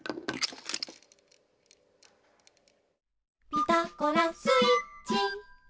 「ピタゴラスイッチ」